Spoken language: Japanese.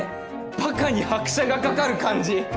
バカに拍車がかかる感じ。